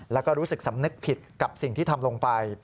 แล้วก็รู้สึกสำนึกผิดกับสิ่งที่ทำลงไป